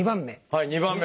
はい２番目。